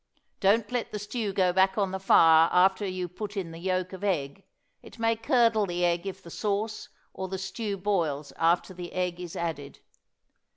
Don't let the stew go back on the fire after you put in the yolk of egg; it may curdle the egg if the sauce or the stew boils after the egg is added.